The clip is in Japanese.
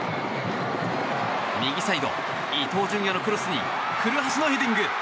右サイド、伊東純也のクロスに古橋のヘディング！